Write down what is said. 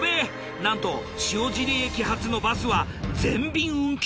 なんと塩尻駅発のバスは全便運休。